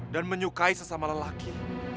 dan menyukai sesama lelaki